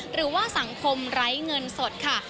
หรือว่าสังคมไร้เงินสดค่ะ